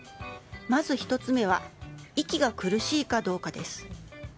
まず１つ目は息が苦しいかどうかです。